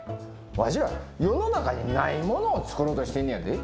わしら世の中にないものを作ろうとしてんねやで。